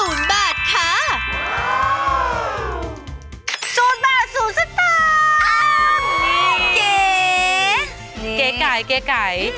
อืม